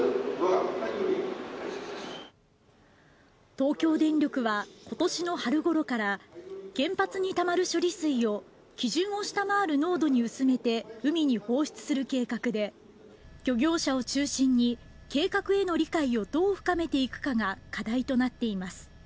東京電力は今年の春ごろから原発にたまる処理水を基準を下回る濃度に薄めて海に放出する計画で漁業者を中心に計画への理解をどう深めていくかが課題となっています。